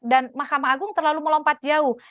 dan mahkamah agung terlalu melompat jauh